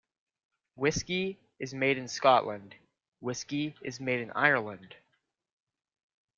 Whisky is made in Scotland; whiskey is made in Ireland.